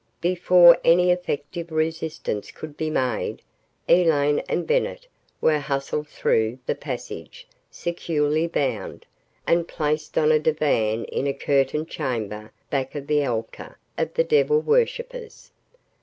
Before any effective resistance could be made, Elaine and Bennett were hustled through the passage, securely bound, and placed on a divan in a curtained chamber back of the altar of the devil worshippers.